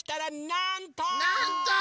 なんと！